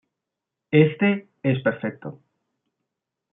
Este es perfecto.